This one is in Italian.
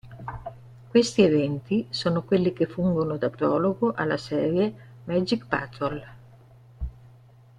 Questi eventi sono quelli che fungono da prologo alla serie "Magic Patrol".